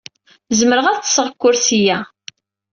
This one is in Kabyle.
Zemreɣ ad ḍḍseɣ deg ukersi-a.